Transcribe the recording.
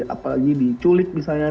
apalagi diculik misalnya